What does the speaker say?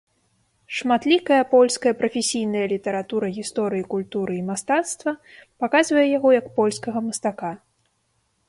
Шматлікая польская прафесійная літаратура гісторыі культуры і мастацтва паказвае яго як польскага мастака.